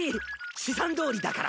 試算どおりだから。